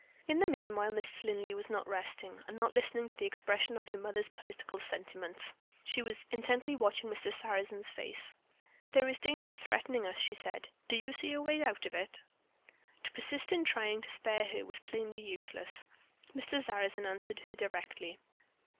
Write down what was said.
In the meanwhile Mrs. Linley was not resting, and not listening to the expression of her mother's political sentiments. She was intently watching Mr. Sarrazin's face. "There is danger threatening us," she said. "Do you see a way out of it?" To persist in trying to spare her was plainly useless; Mr. Sarrazin answered her directly.